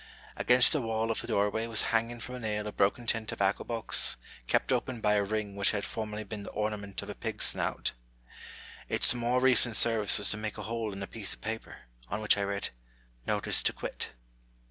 Against the wall of the doorway was hanging from a nail a broken tin tobacco box, kept open by a ring which had formerly been the ornament of a pig's snout. Its more recent service was to make a hole in a piece of paper, on which I read, "Notice to quit."